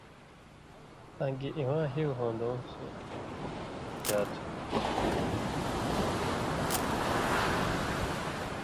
آں گی اِواں ہیُو ہُون٘دُوں سو اؤژا تھُو۔